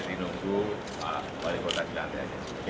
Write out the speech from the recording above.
dinunggu wali kota dilantik